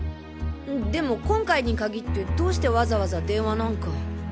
でも今回に限ってどうしてわざわざ電話なんか。